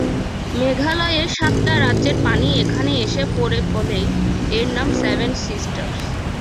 মেঘালয়ের সাতটা রাজ্যের পানি এখানে এসে পড়ে বলেই এর নাম সেভেন সিস্টার্স।